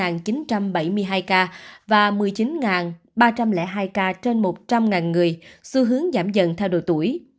nhóm tuổi sáu mươi là một mươi chín ba trăm linh hai ca trên một trăm linh người xu hướng giảm dần theo độ tuổi